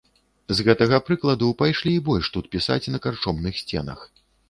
З гэтага прыкладу пайшлі і больш тут пісаць на карчомных сценах.